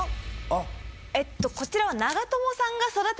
えっとこちらは。